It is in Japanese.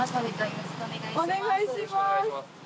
よろしくお願いします。